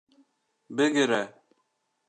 Bigire